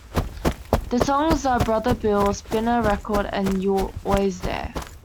The songs are "Brother Bill", "Spin a Record" and "You're Always There".